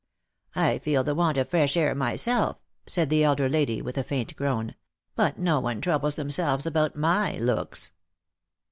" I feel the want of fresh air myself," said the elder lady, with a faint groan ;" but no one troubles themselves about my looks."